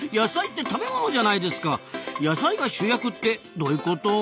野菜が主役ってどういうこと？